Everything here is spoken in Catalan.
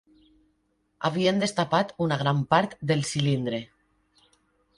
Havien destapat una gran part del cilindre.